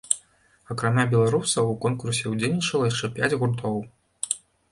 Акрамя беларусаў у конкурсе ўдзельнічала яшчэ пяць гуртоў.